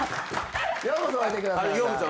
ようこそおいでくださいました。